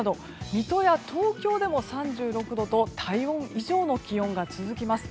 水戸や東京でも３６度と体温以上の気温が続きます。